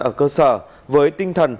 ở cơ sở với tinh thần